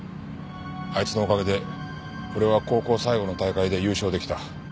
あいつのおかげで俺は高校最後の大会で優勝出来た。